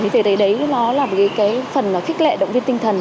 thì thấy đấy nó là cái phần khích lệ động viên tinh thần